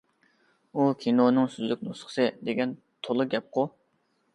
ئۇ كىنونىڭ سۈزۈك نۇسخىسى دېگەن تولا گەپقۇ.